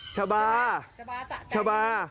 ชาบ้า